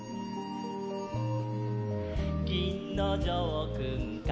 「ぎんのじょうくんから」